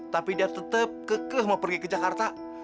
tapi dia tetap kekeh mau pergi ke jakarta